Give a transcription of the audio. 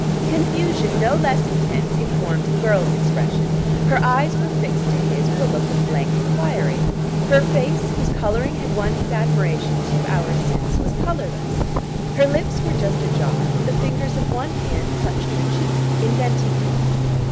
Confusion no less intense informed the girl's expression; her eyes were fixed to his with a look of blank enquiry; her face, whose colouring had won his admiration two hours since, was colourless; her lips were just ajar; the fingers of one hand touched her cheek, indenting it.